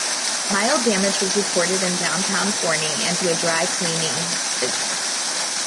Mild damage was reported in downtown Forney and to a dry cleaning business.